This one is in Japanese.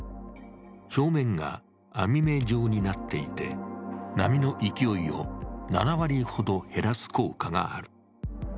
表面が網目状になっていて、波の勢いを７割ほど減らす効果がある。